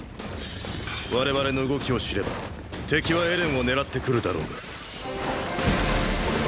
我々の動きを知れば敵はエレンを狙って来るだろうがー